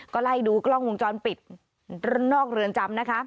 ก็ไล่ดูกล้องวงจรปิดนอกเรือนจำนะคะ